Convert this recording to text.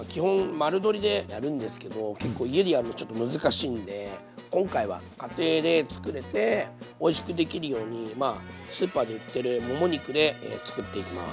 丸鶏でやるんですけど結構家でやるとちょっと難しいんで今回は家庭で作れておいしくできるようにまあスーパーで売ってるもも肉で作っていきます。